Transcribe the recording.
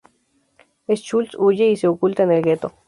Schultz huye y se oculta en el gueto.